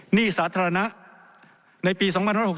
หนี้สาธารณะในปี๒๖๖